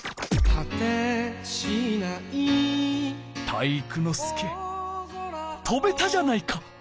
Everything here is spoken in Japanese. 体育ノ介とべたじゃないか。